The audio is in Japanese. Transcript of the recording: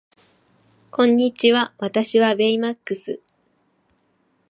こんにちは私はベイマックス